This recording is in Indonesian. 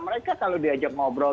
mereka kalau diajak ngobrol